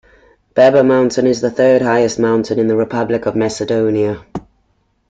Baba Mountain is the third highest mountain in the Republic of Macedonia.